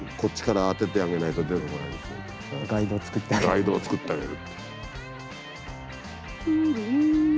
ガイドを作ってあげる。